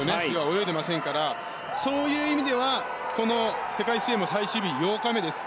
泳いでいませんからそういう意味ではこの世界水泳の最終日、８日目です。